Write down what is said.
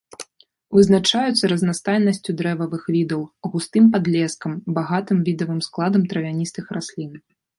Вызначаюцца разнастайнасцю дрэвавых відаў, густым падлескам, багатым відавым складам травяністых раслін.